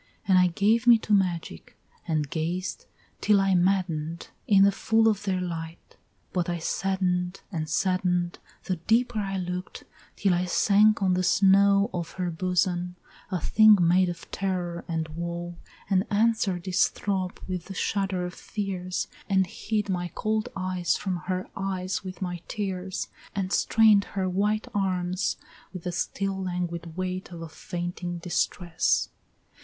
Then I gave me to magic, and gazed till I madden'd In the full of their light, but I sadden'd and sadden'd The deeper I look'd, till I sank on the snow Of her bosom, a thing made of terror and woe, And answer'd its throb with the shudder of fears, And hid my cold eyes from her eyes with my tears, And strain'd her white arms with the still languid weight Of a fainting distress.